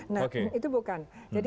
nah itu bukan